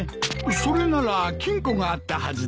それなら金庫があったはずだ。